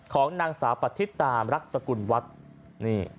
ของนางสาวปฏิตามรักษกุลวัฒน์นี่